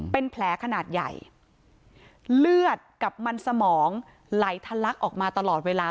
เป็นแผลขนาดใหญ่เลือดกับมันสมองไหลทะลักออกมาตลอดเวลา